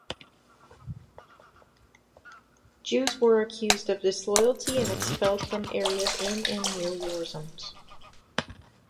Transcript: Jews were accused of disloyalty and expelled from areas in and near war zones.